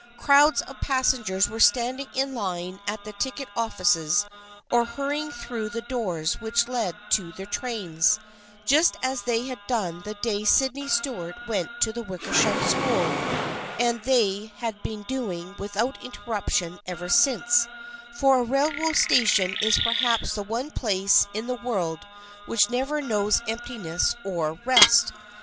Crowds of passengers were standing in line at the ticket offices or hurrying through the doors which led to their trains, just as they had done the day Sydney Stuart went to the Wickersham School and as they had been doing without intermission ever since, for a railroad station is perhaps the one place in the world which never knows emptiness or rest.